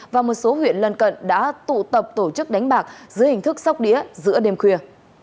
và một số huyện lân cận đã tụ tập tổ chức đánh bạc dưới hình thức sóc đĩa giữa đêm khuya